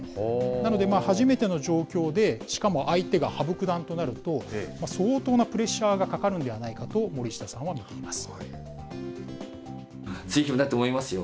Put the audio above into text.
なので、初めての状況で、しかも相手が羽生九段となると、相当なプレッシャーがかかるのではないかと森下さんは見ています。